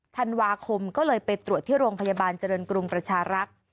ธันวาคมก็เลยไปตรวจที่โรงพยาบาลเจริญกรุงประชารักษ์